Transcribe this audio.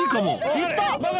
行った！